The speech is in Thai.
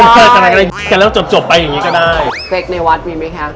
เฟคในวัดมีมั้ยครับ